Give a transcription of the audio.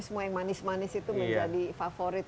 semua yang manis manis itu menjadi favorit